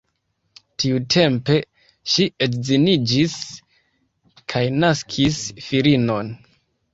Tiutempe ŝi edziniĝis kaj naskis filinon.